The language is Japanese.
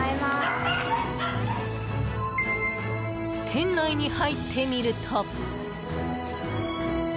店内に入ってみると。